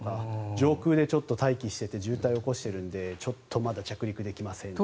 上空でちょっと待機していて渋滞を起こしているのでちょっとまだ着陸できませんとか。